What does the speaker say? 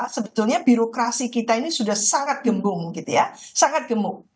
sebetulnya birokrasi kita ini sudah sangat gembung gitu ya sangat gemuk